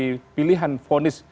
untuk kemudian sampai pilihan vonis